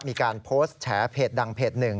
มีการโพสต์แฉเพจดังเพจหนึ่ง